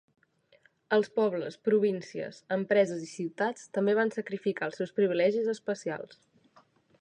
Els pobles, províncies, empreses i ciutats també van sacrificar els seus privilegis especials.